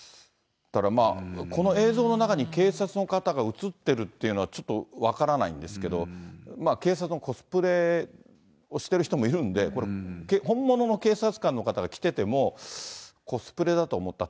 だからまあ、この映像の中に警察の方が映ってるっていうのはちょっと分からないんですけど、警察のコスプレをしてる人もいるんで、これ、本物の警察官の方が来てても、コスプレだと思った。